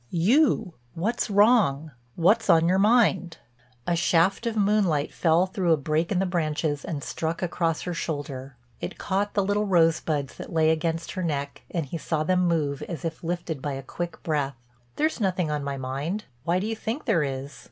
"You. What's wrong? What's on your mind?" A shaft of moonlight fell through a break in the branches and struck across her shoulder. It caught the little rosebuds that lay against her neck and he saw them move as if lifted by a quick breath. "There's nothing on my mind. Why do you think there is?"